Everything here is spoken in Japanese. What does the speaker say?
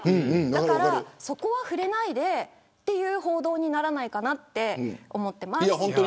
だから、そこは触れないでという報道にならないかなって思ってます。